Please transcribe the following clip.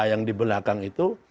yang di belakang itu